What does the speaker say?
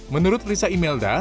menurut risa imelda